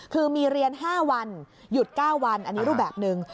คือมีเรียน๕วันหยุด๙วันอันนี้รูปแบบหนึ่ง